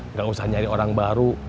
nggak usah nyari orang baru